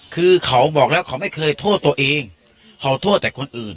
คือเขาบอกแล้วเขาไม่เคยโทษตัวเองเขาโทษแต่คนอื่น